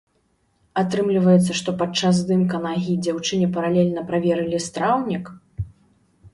Атрымліваецца, што падчас здымка нагі дзяўчыне паралельна праверылі страўнік?!